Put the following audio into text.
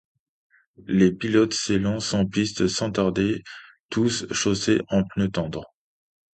Les pilotes s'élancent en piste sans tarder, tous chaussés en pneus tendres.